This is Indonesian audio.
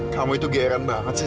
kamu itu gairan banget sih